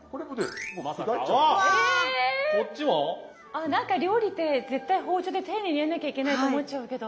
あ何か料理って絶対包丁で丁寧にやんなきゃいけないと思っちゃうけど。